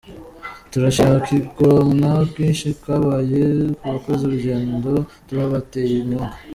Turashima kwigomwa kwinshi kwabaye kubakoze urugendo n’ababateye inkunga